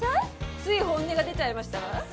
つい本音が出ちゃいましたわ。